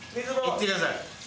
いってください